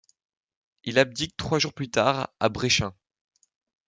Il abdique trois jours plus tard à Brechin.